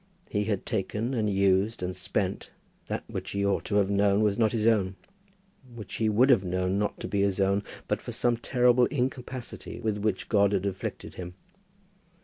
He had taken and used and spent that which he ought to have known was not his own; which he would have known not to be his own but for some terrible incapacity with which God had afflicted him.